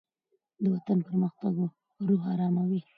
دوطن پرمختګ روح آراموي